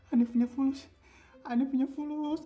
aneh punya fulus aneh punya fulus